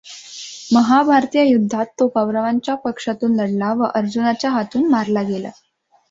महाभारतीय युद्धात तो कौरवांच्या पक्षातून लढला व अर्जुनाच्या हातून मारला गेला.